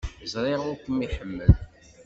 Ẓriɣ ur kem-iḥemmel.